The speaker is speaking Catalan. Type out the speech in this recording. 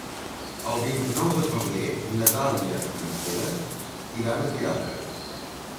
El vint-i-nou de febrer na Dàlia i en Pere iran al teatre.